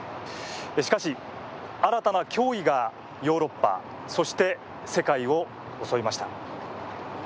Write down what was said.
しかし、新たな脅威がヨーロッパそして世界を襲いました。